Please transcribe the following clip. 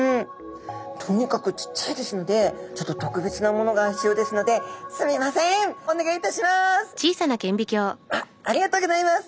とにかくちっちゃいですのでちょっと特別なものが必要ですのであっありがとうギョざいます！